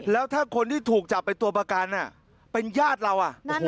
แล้วถ้าคนที่ถูกจับไปตัวประกันเป็นญาติเรา